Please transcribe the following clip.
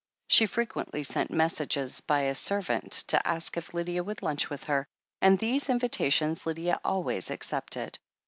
She frequently sent messages by a servant to ask if Lydia would lunch with her, and these invitations Lydia always accepted.